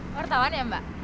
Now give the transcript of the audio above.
wartawan ya mbak